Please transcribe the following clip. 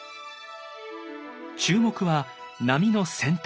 注目は波の先端。